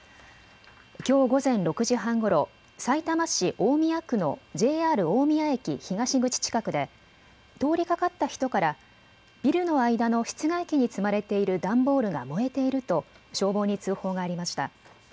きょう午前６時半ごろ、さいたま市大宮区のＪＲ大宮駅東口近くで通りかかった人からビルの間の室外機に積まれている段ボールが燃えていると消防に通報がありました。